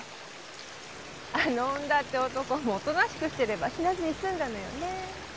あの恩田って男もおとなしくしてれば死なずにすんだのよね。